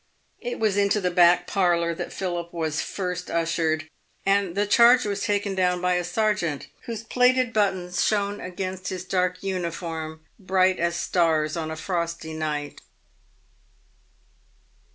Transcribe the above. It was into the back parlour that Philip was first ushered, and the charge was taken down by a sergeant, whose plated buttons shone against his dark uniform bright as stars on a frosty night.